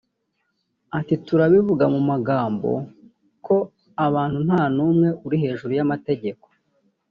Ati “Turabivuga mu magambo ko abantu nta n’umwe uri hejuru y’amategeko